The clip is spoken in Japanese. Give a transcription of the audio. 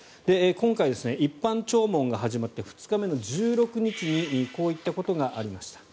今回、一般弔問が始まって２日後の１６日にこういったことがありました。